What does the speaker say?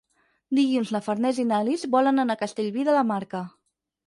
Dilluns na Farners i na Lis volen anar a Castellví de la Marca.